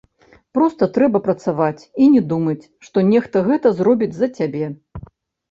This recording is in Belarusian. Проста трэба працаваць і не думаць, што нехта гэта зробіць за цябе.